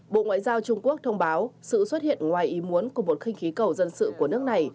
bộ ngoại giao trung quốc thông báo sự xuất hiện ngoài ý muốn của một khinh khí cầu dân sự của nước này